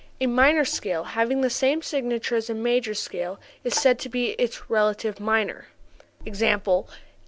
A minor scale having the same signature as a major scale is said to be its relative minor. _E.